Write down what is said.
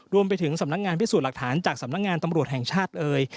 รวมไปถึงสำนักงานพิสูจน์หลักฐานจากสำนักงานตำรวจแห่งชาติเอ่ย